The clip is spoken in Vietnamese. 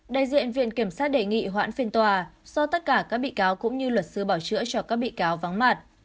đại diện viện kiểm sát đề nghị hoãn phiên tòa do tất cả các bị cáo cũng như luật sư bảo chữa cho các bị cáo vắng mặt